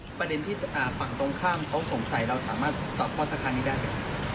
ประเด็นที่ฝั่งตรงข้ามเขาสงสัยเราสามารถตอบข้อสักขนาดนี้ได้ไหม